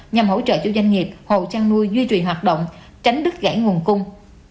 nhằm hỗ trợ chủ doanh nghiệp hồ trang nuôi duy trì hoạt động tránh đứt gãy nguồn cung